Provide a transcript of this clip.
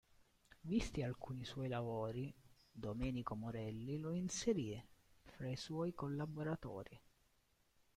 Visti alcuni suoi lavori, Domenico Morelli lo inserì fra i suoi collaboratori.